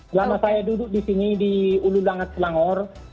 selama saya duduk di sini di ulu langat selangor